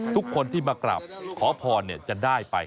ทุกคนที่มากราบขอพรจะได้ไป